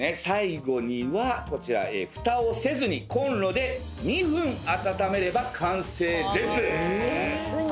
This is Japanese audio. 最後にはふたをせずにこんろで２分温めれば完成です。